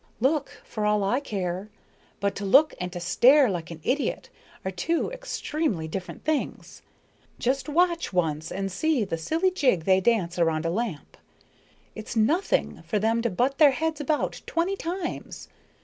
"Look, for all I care. But to look and to stare like an idiot are two entirely different things. Just watch once and see the silly jig they dance around a lamp. It's nothing for them to butt their heads about twenty times.